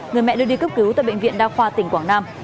người mẹ đưa đi cấp cứu tại bệnh viện đa khoa tỉnh quảng nam